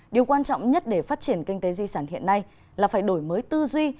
điều quan trọng nhất để phát triển kinh tế di sản hiện nay là phải đổi mới tư duy